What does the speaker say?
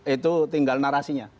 itu tinggal narasinya